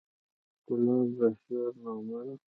ګلاب د شعر نغمه ده.